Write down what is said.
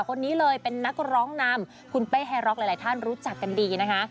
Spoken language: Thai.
คนนี้เลยเป็นนักร้องนำคุณเป้แฮร็อกหลายท่านรู้จักกันดีนะคะ